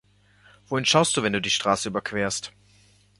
Wohin schaust du, wenn du die Straße überquerst?